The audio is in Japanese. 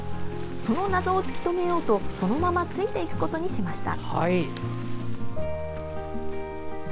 その謎を突き止めようとそのままついていくことにしました。